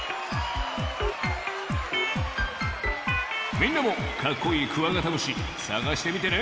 みんなもかっこいいクワガタムシさがしてみてね！